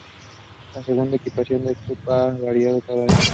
La segunda equipación del club ha ido variando cada año.